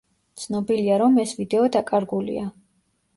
ცნობილია, რომ ეს ვიდეო დაკარგულია.